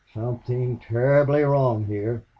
Something terribly wrong here."